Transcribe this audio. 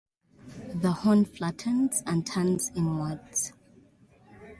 The horn flattens and turns inwards.